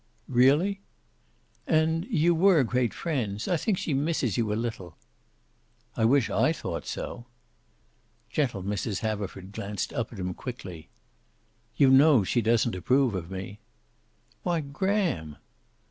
"Really?" "And you were great friends. I think she misses you a little." "I wish I thought so!" Gentle Mrs. Haverford glanced up at him quickly. "You know she doesn't approve of me." "Why, Graham!"